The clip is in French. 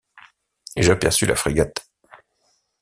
J’aperçus la frégate.